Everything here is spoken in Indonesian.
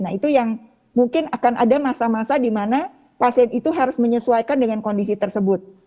nah itu yang mungkin akan ada masa masa di mana pasien itu harus menyesuaikan dengan kondisi tersebut